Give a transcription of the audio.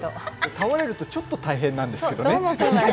倒れるとちょっと大変なんですけれどもね。